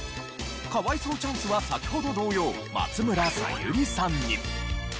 可哀想チャンスは先ほど同様松村沙友理さんに。